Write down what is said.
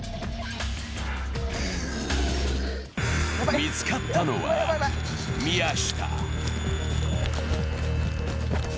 見つかったのは宮下。